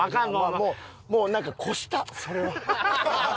もうなんか越したそれは。